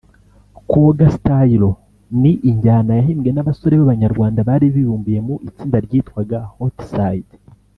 Coga Style ni injyana yahimbwe n’abasore b’Abanyarwanda bari bibumbiye mu itsinda ryitwaga Hot side